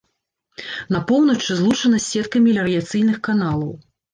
На поўначы злучана з сеткай меліярацыйных каналаў.